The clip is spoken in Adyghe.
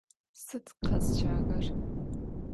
Sıd khesşağer?